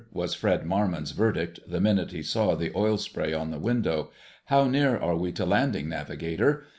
was Fred Marmon's verdict, the minute he saw the oil spray on the window. "How near are we to landing, navigator?"